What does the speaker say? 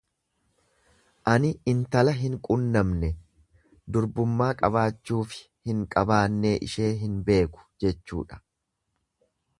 Ani intala hin quunnamne, durbummaa qabaachuufi hin qabaannee ishee hin beeku jechuudha.